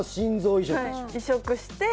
移植して。